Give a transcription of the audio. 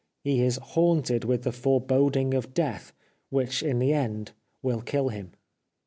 ... He is haunted with the foreboding of death, which in the end will kill him."